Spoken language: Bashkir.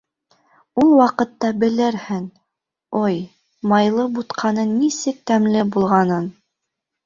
Ул ваҡытта белерһең, ой, майлы бутҡаның нисек тәмле булғанын.